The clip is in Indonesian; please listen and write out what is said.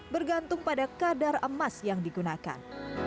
bergantung pada kadar emas yang digunakan